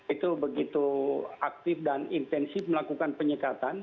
itu begitu aktif dan intensif melakukan penyekatan